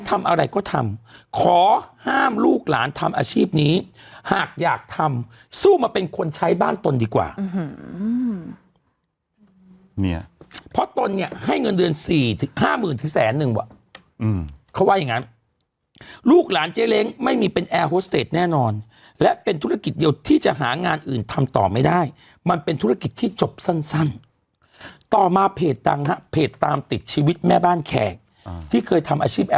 โทรศัพท์ใหญ่เลยเนี้ยรอรับหมายอืมเด้งไปหาพี่เลยล่ะค่ะ